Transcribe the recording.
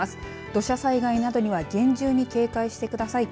土砂災害などには厳重に警戒してください。